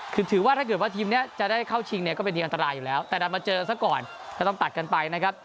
คือถือว่าถ้าเกิดว่าทีมนี้จะได้เข้าชิงเนี่ยก็เป็นดีอันตรายอยู่แล้วแต่ดันมาเจอซะก่อนก็ต้องตัดกันไปนะครับ